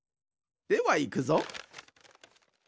ではいくぞ。